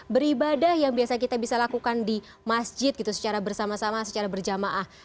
beribadah yang biasa kita bisa lakukan di masjid gitu secara bersama sama secara berjamaah